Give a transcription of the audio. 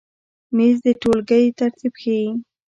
مېز د ټولګۍ ترتیب ښیي.